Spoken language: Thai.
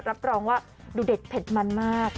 รับรองว่าดูเด็ดเผ็ดมันมาก